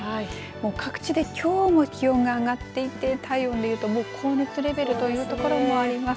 各地できょうも気温が上がっていて体温でいうと高熱レベルというところもあります。